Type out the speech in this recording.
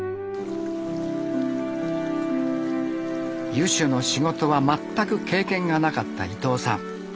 湯主の仕事は全く経験がなかった伊藤さん。